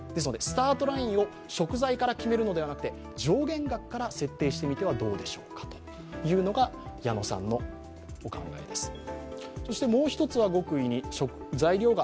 スタートラインを食材から決めるのではなくて上限額から設定してみてはどうでしょうかというのが矢野さんのお考えです。